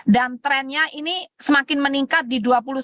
dan trennya ini semakin meningkat di dua puluh sembilan